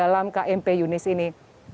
kampung kmp yunis ini